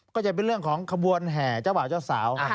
ก็จะเป็นเรื่องของขบวนแห่เจ้าบ่าวเจ้าสาว